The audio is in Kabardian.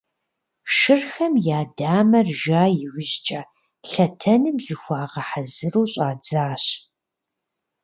Шырхэм я дамэр жа иужькӀэ, лъэтэным зыхуагъэхьэзыру щӀадзащ.